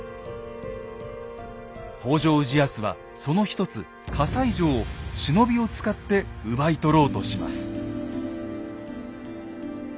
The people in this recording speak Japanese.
北条氏康はその一つ西城を忍びを使って奪い取ろうとします。